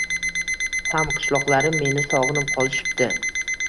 Hamqishloqlarim meni sog‘inib qolishipti